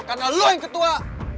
karena lo yang ketua